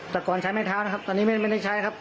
แต่ก่อนใช้ไม้เท้านะครับตอนนี้ไม่ได้ใช้ครับ